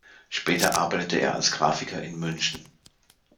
Später arbeitete er als Grafiker in München.